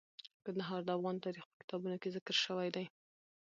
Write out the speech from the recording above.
کندهار د افغان تاریخ په کتابونو کې ذکر شوی دي.